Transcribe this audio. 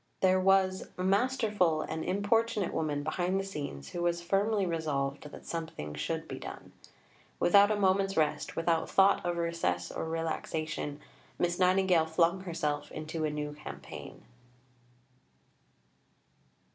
There was a masterful and importunate woman behind the scenes who was firmly resolved that something should be done. Without a moment's rest, without thought of recess or relaxation, Miss Nightingale flung herself into a new campaign.